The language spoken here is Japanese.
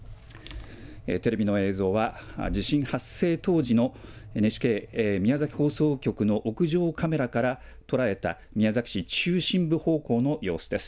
テレビの映像は、地震発生当時のＮＨＫ宮崎放送局の屋上カメラから捉えた、宮崎市中心部方向の様子です。